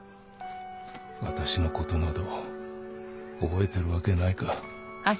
私のことなど覚えてるわけないかえいっ！